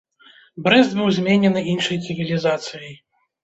Брэст быў зменены іншай цывілізацыяй.